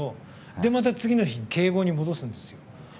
で、次の日にまた敬語に戻すんですよ。